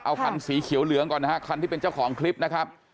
เอาคันสีเขียวเหลืองก่อนนะฮะคันที่เป็นเจ้าของคลิปนะครับ